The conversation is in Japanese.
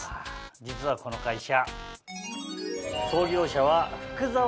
実はこの会社。